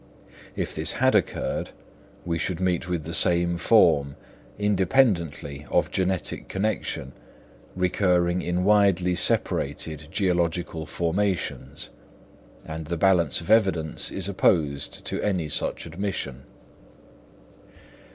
If this had occurred, we should meet with the same form, independently of genetic connection, recurring in widely separated geological formations; and the balance of evidence is opposed to any such an admission.